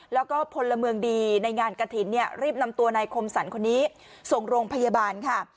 แล้วก็พลเมืองดีในงานกระถิ่นเนี่ยรีบนำตัวนายคมสรรคนนี้ส่งโรงพยาบาลค่ะ